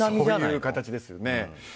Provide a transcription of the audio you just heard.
そういう形ですね。